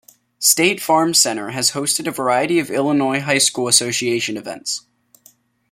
State Farm Center has hosted a variety of Illinois High School Association events.